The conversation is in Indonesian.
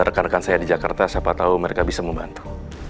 rekan rekan saya di jakarta siapa tahu mereka bisa membantu